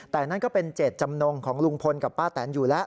แต่นั่นก็เป็นเจตจำนงของลุงพลกับป้าแตนอยู่แล้ว